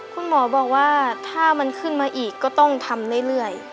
คุณหมอบอกว่าถ้ามันขึ้นมาอีกก็ต้องทำเรื่อย